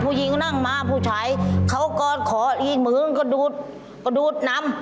ผู้หญิงก็นั่งมาผู้ชายเขาก็ขออีกเหมือนกระดูดน้ำ